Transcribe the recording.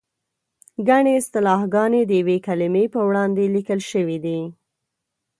ګڼې اصطلاحګانې د یوې کلمې په وړاندې لیکل شوې دي.